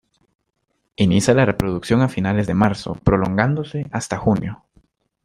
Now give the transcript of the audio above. Inicia la reproducción a finales de marzo, prolongándose hasta junio.